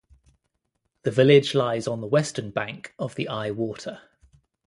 The village lies on the western bank of the Eye Water.